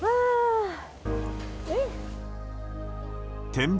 展望